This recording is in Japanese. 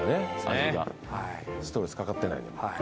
味がストレスかかってないもん